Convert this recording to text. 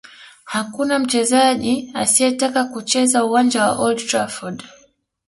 Hakuna mchezaji asiyetaka kucheza uwanja wa Old Trafford